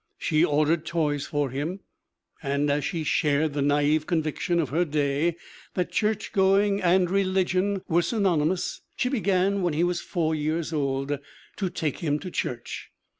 She ordered toys for him, and as she shared the nai've conviction of her day that church going and religion were synonymous, she began, when he was four years old, to take him to church.